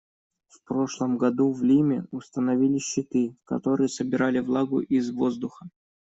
В прошлом году в Лиме установили щиты, которые собирали влагу из воздуха.